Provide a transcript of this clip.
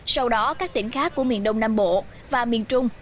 sau đó các tỉnh khác của miền đông nam bộ và miền trung